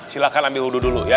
silahkan ambil wudhu dulu ya